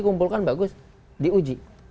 kumpulkan bagus diuji